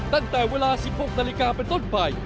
ตั้งแต่เวลา๑๖นเป็นต้นไป